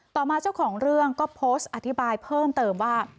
ต่อมาเจ้าของเรื่องก็โพสต์อธิบายเพิ่มเติมว่า